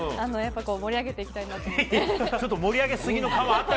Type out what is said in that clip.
盛り上げていきたいなと思って。